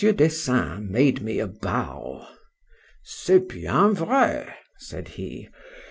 Dessein made me a bow. C'est bien vrai, said he.